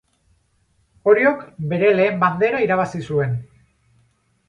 Oriok bere lehen bandera irabazi zuen.